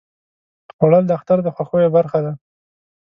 خوړل د اختر د خوښیو برخه ده